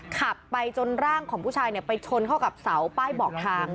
ขับไปจนร่างของผู้ชายไปชนเข้ากับเสาป้ายบอกทาง